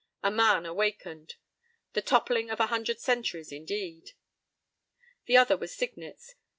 A man awakened! The toppling of a hundred centuries, indeed. The other was Signet's.